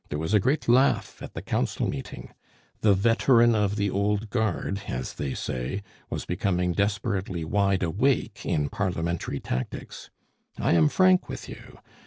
There was a great laugh at the Council meeting; the Veteran of the Old Guard, as they say, was becoming desperately wide awake in parliamentary tactics! I am frank with you.